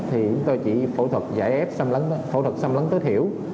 thì chúng tôi chỉ phẫu thuật giải ép xâm lấn tối thiểu